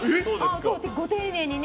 ご丁寧にね。